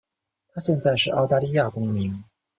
她现在是澳大利亚公民。